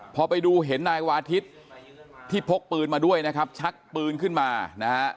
พอไปดูเห็นนายวาทิศที่พกปืนมาด้วยนะครับชักปืนขึ้นมานะฮะ